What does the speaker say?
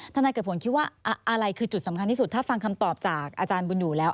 นายเกิดผลคิดว่าอะไรคือจุดสำคัญที่สุดถ้าฟังคำตอบจากอาจารย์บุญอยู่แล้ว